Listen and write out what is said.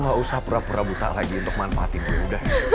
lo gak usah pura pura buta lagi untuk manfaatin gue udah